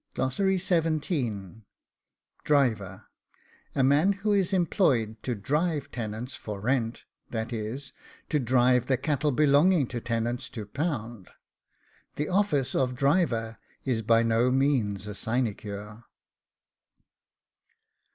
DRIVER. A man who is employed to drive tenants for rent; that is, to drive the cattle belonging to tenants to pound. The office of driver is by no means a sinecure.